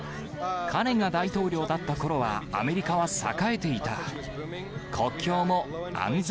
彼が大統領だったころはアメリカは栄えていた。